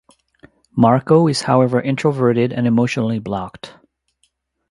Marco is however introverted and emotionally blocked.